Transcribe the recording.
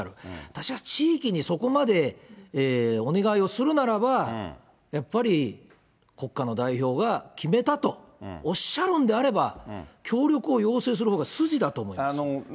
私は地域にそこまでお願いをするならば、やっぱり国家の代表が決めたとおっしゃるんであれば、協力を要請するほうが筋だと思います。